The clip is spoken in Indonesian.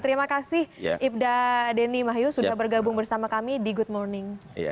terima kasih ibda deni mahyu sudah bergabung bersama kami di good morning